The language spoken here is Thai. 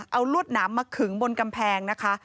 เอาลวดหนามมาขึงบนกำแพงนะคะ